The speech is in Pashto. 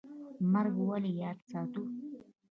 مرګ ولې یاد ساتو؟